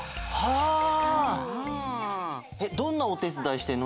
どんなおてつだいしてんの？